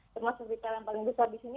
semua servis retail yang paling besar disini